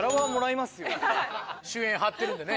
主演張ってるんでね